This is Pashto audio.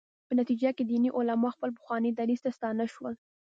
په نتیجه کې دیني علما خپل پخواني دریځ ته ستانه شول.